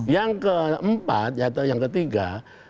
yang keempat atau yang ketiga